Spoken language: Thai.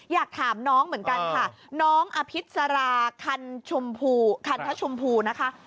อยากถามน้องเหมือนกันค่ะน้องอภิษราคันชมพูคันทชมพูนะคะ